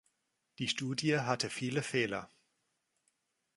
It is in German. Die Studie hatte viele Fehler.